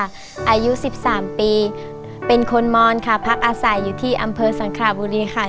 อายุ๑๓ปีเป็นคนมอนค่ะพักอาศัยอยู่ที่อำเภอสังคลาบุรีค่ะ